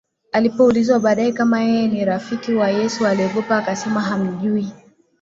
alipoulizwa baadaye kama yeye ni rafiki wa Yesu aliogopa akasema hamjui